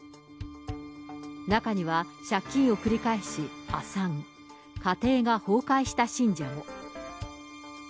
中には借金を繰り返し破産、家庭が崩壊した信者も。